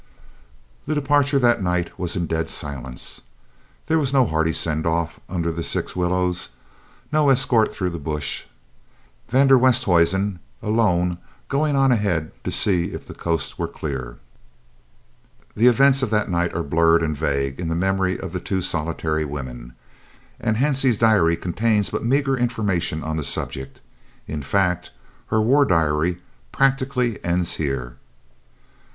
The departure that night was in dead silence. There was no hearty "send off" under the six willows, no escort through the bush, van der Westhuizen alone going on ahead to see if the coast were clear. The events of that night are blurred and vague in the memory of the two solitary women, and Hansie's diary contains but meagre information on the subject in fact, her war diary practically ends here.